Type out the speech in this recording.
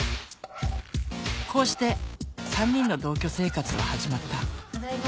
こうして３人の同居生活は始まったただいま。